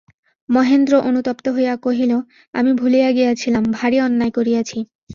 মহেন্দ্র অনুতপ্ত হইয়া কহিল, আমি ভুলিয়া গিয়াছিলাম–ভারি অন্যায় করিয়াছি।